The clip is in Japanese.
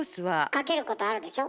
かけることあるでしょ？